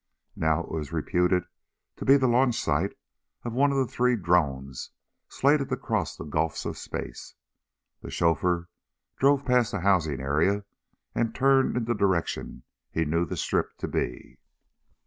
Now it was reputed to be the launch site of one of the three drones slated to cross the gulfs of space. The chauffeur drove past a housing area and turned in the direction he knew the strip to be.